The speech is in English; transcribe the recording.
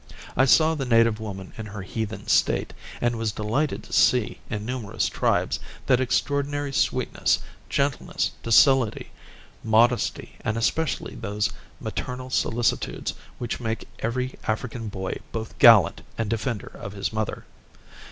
I saw the native woman in her heathen state, and was delighted to see, in numerous tribes, that extraordinary sweetness, gentleness, docility, modesty, and especially those maternal solicitudes which make every African boy both gallant and defender of his mother.